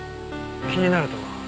気になるとは？